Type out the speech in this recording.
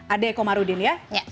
ade komarudin ya